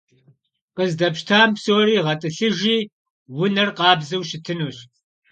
Къыздэпщтам псори гъэтӏылъыжи, унэр къабзэу щытынущ.